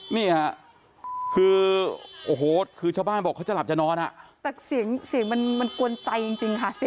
นี่จริงจริงค่ะเสียงแบบนี้